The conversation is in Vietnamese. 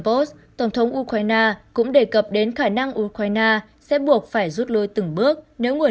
post tổng thống ukraine cũng đề cập đến khả năng ukraine sẽ buộc phải rút lui từng bước nếu người